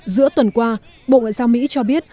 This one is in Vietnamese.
giữa tuần qua bộ ngoại giao mỹ cho biết